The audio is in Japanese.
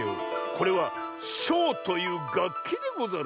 これは「しょう」というがっきでござる。